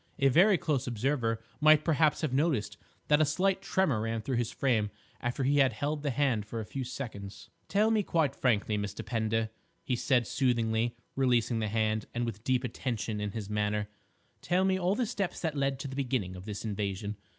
A very close observer might perhaps have noticed that a slight tremor ran through his frame after he had held the hand for a few seconds. "Tell me quite frankly, Mr. Pender," he said soothingly, releasing the hand, and with deep attention in his manner, "tell me all the steps that led to the beginning of this invasion.